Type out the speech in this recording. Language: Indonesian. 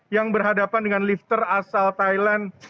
yang berhadapan dengan lifter asal thailand